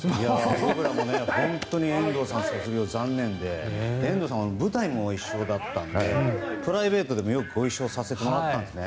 僕らも遠藤さんの卒業本当に残念で遠藤さんは舞台も一緒だったのでプライベートでもよくご一緒させていただいていたんですね。